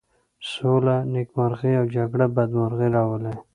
سوله نېکمرغي او جگړه بدمرغي راولي.